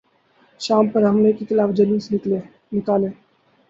شام پر حملے کیخلاف جلوس نکالیں